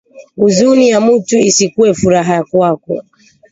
Uzuni ya mutu isikuwe furaha kwako